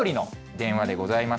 緑の電話でございます。